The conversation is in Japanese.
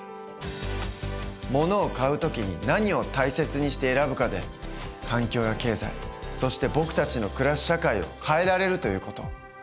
ものを買う時に何を大切にして選ぶかで環境や経済そして僕たちの暮らす社会を変えられるという事。